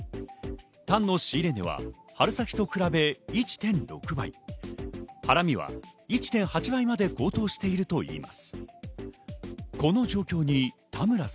タンの仕入れ値は春先と比べ１．６倍、ハラミは１．８倍まで高騰しているといいます。